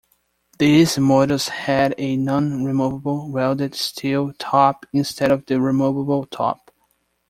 These models had a non-removable welded steel top instead of the removable top.